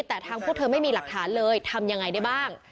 แต่ทางพวกเธอไม่มีหลักฐานเลยทำยังไงได้บ้าง